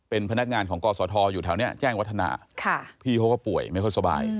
เป็นพนักงานของกศธอยู่แถวนี้แจ้งวัฒนาพี่เขาก็ป่วยไม่ค่อยสบาย